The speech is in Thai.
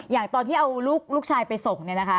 อย่างตอนที่เอาลูกชายไปส่งเนี่ยนะคะ